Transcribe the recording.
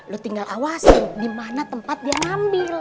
lo tinggal awasi dimana tempat dia ngambil